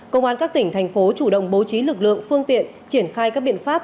công an các tỉnh thành phố chủ động bố trí lực lượng phương tiện triển khai các biện pháp